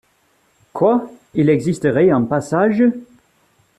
Quoi! il existerait un passage !